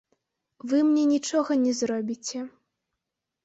Вы мне нічога не зробіце.